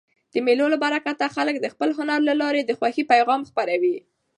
د مېلو له برکته خلک د خپل هنر له لاري د خوښۍ پیغام خپروي.